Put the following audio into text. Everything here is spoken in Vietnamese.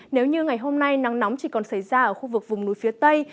nếu như ngày hôm nay nắng nóng chỉ còn xảy ra ở khu vực vùng núi phía tây